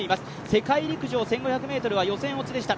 世界陸上１５００ｍは予選落ちでした。